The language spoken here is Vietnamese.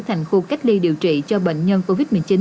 thành khu cách ly điều trị cho bệnh nhân covid một mươi chín